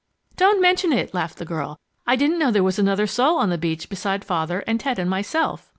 "Don't mention it!" laughed the girl. "I didn't know there was another soul on the beach beside Father and Ted and myself."